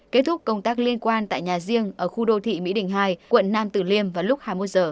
kết thúc công tác liên quan tại nhà riêng ở khu đô thị mỹ đình hai quận nam tử liêm vào lúc hai mươi một h